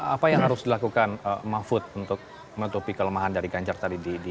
apa yang harus dilakukan mahfud untuk menutupi kelemahan dari gajar tadi di jawa barat